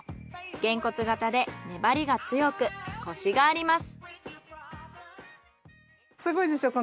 拳骨形で粘りが強くコシがあります。